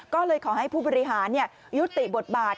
ก็เลยขอให้ผู้บริหารยุติบทบาท